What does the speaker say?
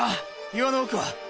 岩の奥は？